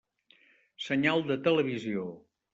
Senyal de televisió.